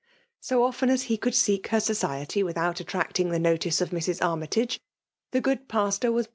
So often as ha could seek her society without attracting the notice of Mrs. Armytage, the good pastor was.